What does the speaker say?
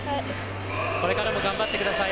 これからも頑張ってください。